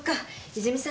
泉さん？